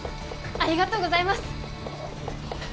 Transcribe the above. ありがとうございます。